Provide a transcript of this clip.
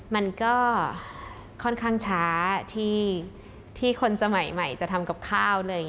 มันก็ค่อนข้างช้าที่คนสมัยใหม่จะทำกับข้าว